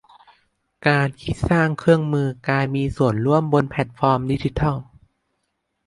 การที่สร้างเครื่องมือการมีส่วนร่วมบนแพลทฟอร์มดิจิทัล